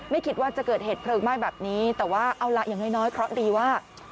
ไม่คิดว่าจะเกิดเหตุเพลิงไหม้แบบนี้แต่ว่าเอาล่ะอย่างน้อยเคราะห์ดีว่า